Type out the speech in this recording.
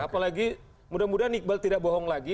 apalagi mudah mudahan iqbal tidak bohong lagi